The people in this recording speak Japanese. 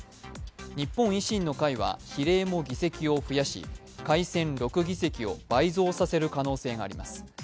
日本維新の会は比例も議席を増やし改選６議席を倍増させる可能性があります。